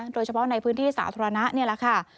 โดยเฉพาะในพื้นที่สาธารณะนี่แหละค่ะ